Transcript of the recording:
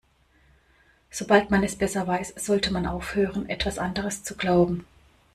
Sobald man es besser weiß, sollte man aufhören, etwas anderes zu glauben.